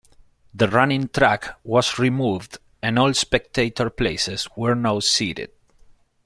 The running track was removed and all spectator places were now seated.